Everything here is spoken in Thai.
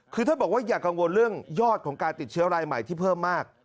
คือท่านบอกว่าอย่ากังวลเรื่องยอดของการติดเชื้อรายใหม่ที่เพิ่มมาก